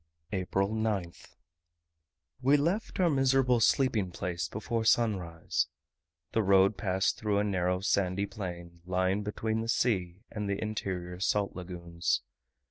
April 9th. We left our miserable sleeping place before sunrise. The road passed through a narrow sandy plain, lying between the sea and the interior salt lagoons.